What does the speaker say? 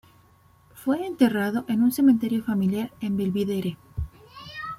Fue enterrado en un cementerio familiar en Belvidere.